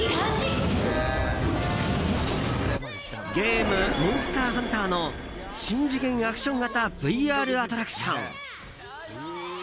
ゲーム「モンスターハンター」の新次元アクション型ＶＲアトラクション。